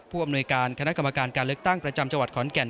อำนวยการคณะกรรมการการเลือกตั้งประจำจังหวัดขอนแก่น